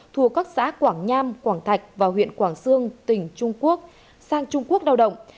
thuộc các xã quảng nham quảng thạch và huyện quảng sương tỉnh trung quốc sang trung quốc lao động